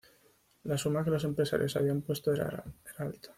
La suma que los empresarios habían puesto era alta.